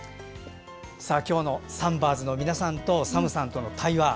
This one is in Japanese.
今日の三婆ズの皆さんとＳＡＭさんとの対話